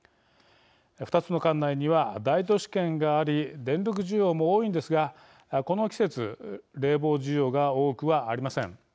２つの管内には大都市圏があり電力需要も多いんですがこの季節、冷房需要が多くはありません。